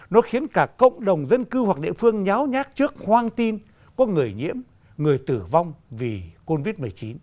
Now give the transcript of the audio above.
nó khiến cả cộng đồng dân cư hoặc địa phương nháo nhát trước hoang tin có người nhiễm người tử vong vì covid một mươi chín